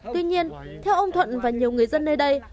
tuy nhiên theo ông thuận và nhiều người dân nơi đây